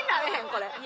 これ。